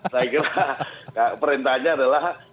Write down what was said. saya kira perintahnya adalah